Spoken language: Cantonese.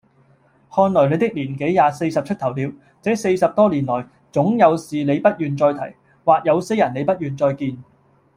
看來你的年紀也四十出頭了，這四十多年來，總有事你不願再提，或有些人你不願再見。